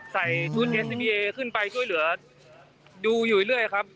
ใส่ชุดขึ้นไปช่วยเหลือดูอยู่เรื่อยเรื่อยครับ